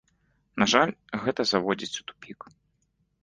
На жаль, гэта заводзіць у тупік.